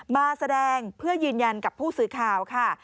มาแสดงเพื่อยืนยันกับผู้สื่อข่าวค่ะ